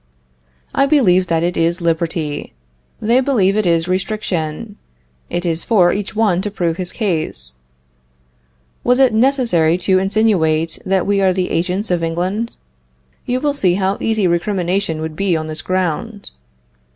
I believe that it is liberty; they believe it is restriction; it is for each one to prove his case. Was it necessary to insinuate that we are the agents of England? You will see how easy recrimination would be on this ground.